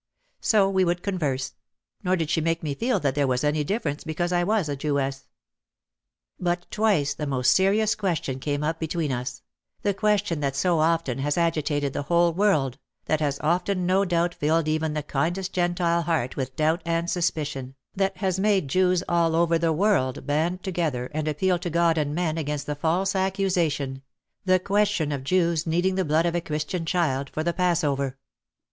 So we would converse ; nor did she make me feel that there was any difference because I was a Jewess. But twice the most serious question came up between us — the question that so often has agitated the whole world, that has often no doubt filled even the kindest Gentile heart with doubt and suspicion, that has made Jews all over the world band together and appeal to God and men against the false accusation — the question of the Jews' needing the blood of a Christian child for the Passover.